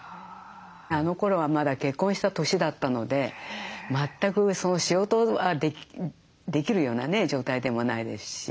あのころはまだ結婚した年だったので全く仕事はできるような状態でもないですし。